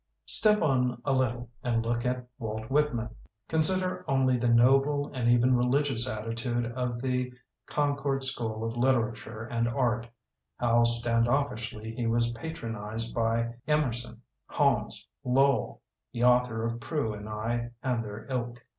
"Step on a little and look at Walt Whitman. Consider only the noble and even religious attitude of the Con cord school of literature and art — how standoffishly he was patronized by Emerson, Holmes, Lowell, the author of True and I', and their ilk.